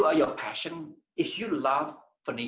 apapun yang anda lakukan